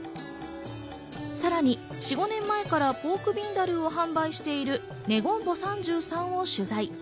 さらに４５年前からポークビンダルーを販売しているｎｅｇｏｍｂｏ３３を取材。